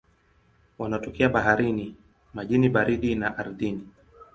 Wanatokea baharini, majini baridi na ardhini.